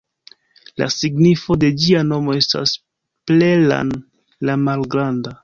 La signifo de ĝia nomo estas "Plelan"-la-malgranda.